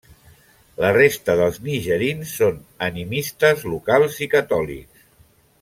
La resta dels nigerins són animistes locals i catòlics.